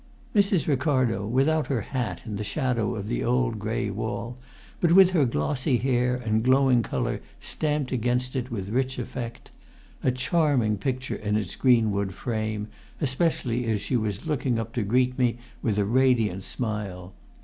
Mrs. Ricardo, without her hat in the shadow of the old grey wall, but with her glossy hair and glowing colour stamped against it with rich effect: a charming picture in its greenwood frame, especially as she was looking up to greet me with a radiant smile.